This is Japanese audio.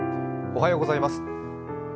おはようございます。